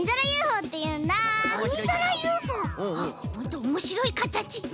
ほんとおもしろいかたち。